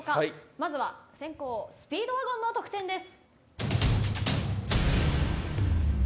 まずは先攻スピードワゴンの得点です。